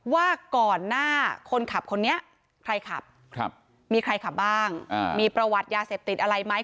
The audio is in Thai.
ว่าก่อนหน้าคนขับคนนี้ใครขับมีใครขับบ้างมีประวัติยาเสพติดอะไรไหม